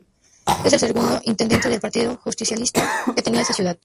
Es el segundo Intendente del Partido Justicialista que tenía esa ciudad.